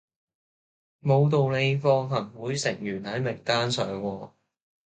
無道理放行會成員喺名單上喎